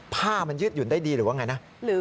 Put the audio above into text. ผ้ามันยืดหยุ่นได้ดีหรือว่าไงนะ